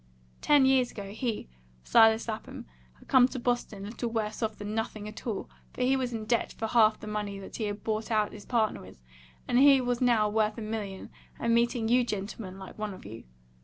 Ten years ago he, Silas Lapham, had come to Boston a little worse off than nothing at all, for he was in debt for half the money that he had bought out his partner with, and here he was now worth a million, and meeting you gentlemen like one of you.